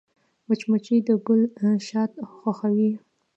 مچمچۍ د ګل شات خوښوي